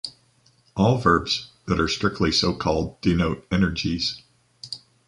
All verbs, that are strictly so called, denote energies.